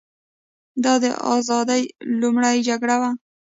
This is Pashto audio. دا د ازادۍ لومړۍ جګړه وه.